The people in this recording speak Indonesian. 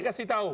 nt kasih tahu